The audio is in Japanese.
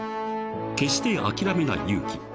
［決して諦めない勇気］